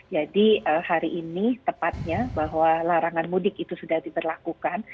jadi hari ini tepatnya bahwa larangan mudik itu sudah diberlakukan